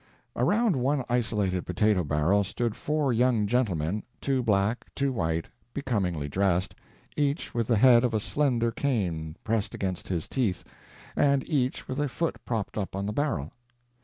Around one isolated potato barrel stood four young gentlemen, two black, two white, becomingly dressed, each with the head of a slender cane pressed against his teeth, and each with a foot propped up on the barrel.